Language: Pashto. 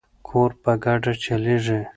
کور په ګډه چلیږي.